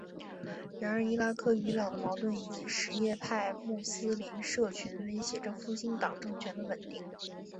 然而伊拉克与伊朗的矛盾以及什叶派穆斯林社群威胁着复兴党政权的稳定。